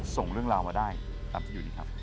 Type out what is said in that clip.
ส่งเรื่องราวมาได้ครับอยู่ดีครับ